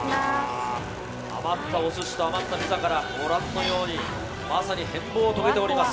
余ったお寿司と余ったピザからご覧のようにまさに変貌を遂げております。